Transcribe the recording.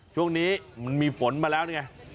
ช่วงนี้มันมีฝนมาแล้วนี่ไง